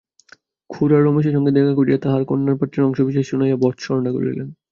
খুড়া রমেশের সঙ্গে দেখা করিয়া তাঁহার কন্যার পত্রের অংশবিশেষ শুনাইয়া ভর্ৎসনা করিলেন।